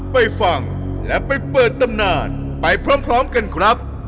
ไปฟังและไปเปิดตำนานไปพร้อมกันครับ